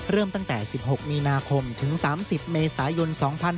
เริ่มตั้งแต่๑๖มีนาคมถึง๓๐เมษายน๒๕๖๒